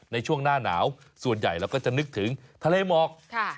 ในช่วงหน้าหนาวส่วนใหญ่เราก็จะนึกถึงทะเลหมอก